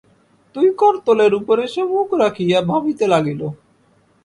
দুই করতলের উপরে সে মুখ রাখিয়া ভাবিতে লাগিল।